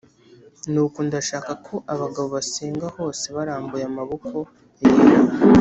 Nuko ndashaka ko abagabo basenga hose barambuye amaboko yera